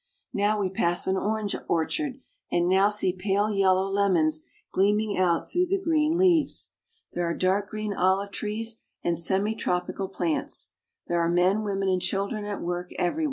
Now we pass an orange orchard, and now see pale yellow lemons gleaming out through the green leaves. There are dark green olive trees and semitropical plants. There are men, women, and children at work everywhere.